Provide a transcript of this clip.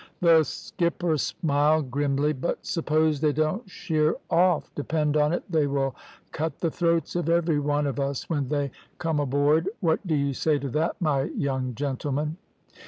"The skipper smiled grimly. `But suppose they don't sheer off; depend on it they will cut the throats of every one of us when they come aboard. What do you say to that, my young gentleman?'